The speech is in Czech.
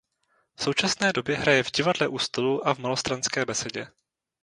V současné době hraje v Divadle u Stolu a v Malostranské besedě.